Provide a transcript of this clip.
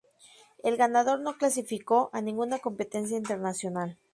El ganador no clasificó a ninguna competencia internacional.